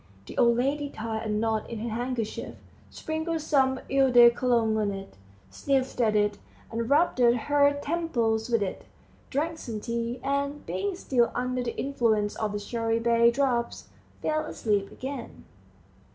The old lady tied a knot in her handkerchief, sprinkled some eau de Cologne on it, sniffed at it, and rubbed her temples with it, drank some tea, and, being still under the influence of the cherrybay drops, fell asleep again.